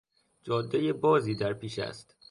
جادهی بازی در پیش است.